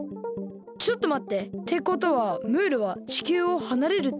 ちょっとまって。ってことはムールは地球をはなれるってこと？